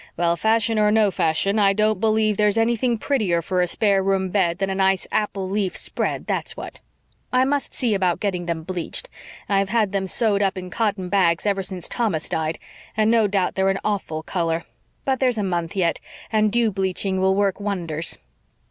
Well, fashion or no fashion, I don't believe there's anything prettier for a spare room bed than a nice apple leaf spread, that's what. I must see about getting them bleached. I've had them sewed up in cotton bags ever since Thomas died, and no doubt they're an awful color. But there's a month yet, and dew bleaching will work wonders."